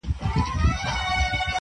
څڼور له ټولو څخه ورک دی_